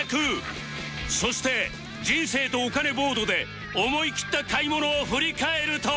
そして人生とお金ボードで思い切った買い物を振り返ると